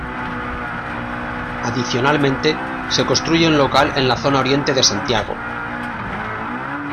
Adicionalmente se construye un local en la Zona Oriente de Santiago.